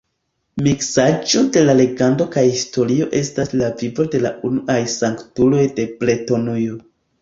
Miksaĵo da legendo kaj historio estas la vivo de la unuaj sanktuloj de Bretonujo.